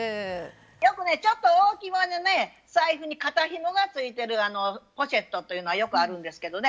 よくねちょっと大きめの財布に肩ひもがついてるポシェットというのはよくあるんですけどね